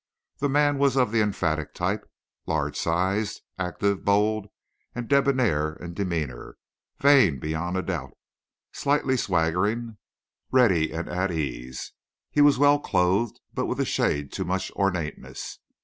The man was of the emphatic type—large sized, active, bold and debonair in demeanour, vain beyond a doubt, slightly swaggering, ready and at ease. He was well clothed, but with a shade too much ornateness.